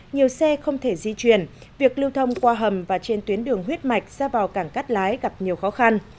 nhiều xe không thể di chuyển việc lưu thông qua hầm và trên tuyến đường huyết mạch ra vào cảng cắt lái gặp nhiều khó khăn